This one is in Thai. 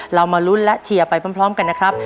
มาลุ้นและเชียร์ไปพร้อมกันนะครับ